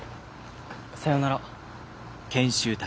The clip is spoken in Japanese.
さよなら。